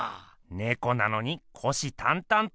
ねこなのに虎視たんたんと。